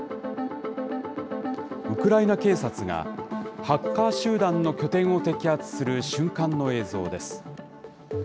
ウクライナ警察がハッカー集団の拠点を摘発する瞬間の映像です。